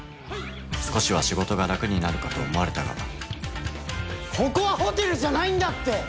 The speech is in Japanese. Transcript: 少しは仕事が楽になるかと思われたがここはホテルじゃないんだって！